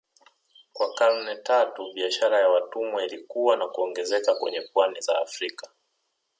Kwa karne tatu biashara ya watumwa ilikua na kuongezeka kwenye pwani za Afrika